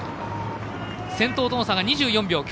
先頭との差が２４秒。